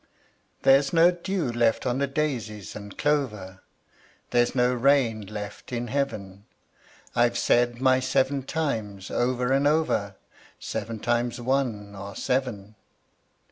There's no dew left on the daisies and clover, There's no rain left in heaven: I've said my "seven times" over and over, Seven times one are seven.